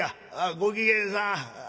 ご機嫌さん。